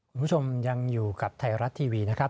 คุณผู้ชมยังอยู่กับไทยรัฐทีวีนะครับ